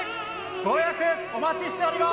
ご予約、お待ちしております。